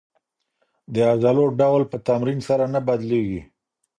د عضلو ډول په تمرین سره نه بدلېږي.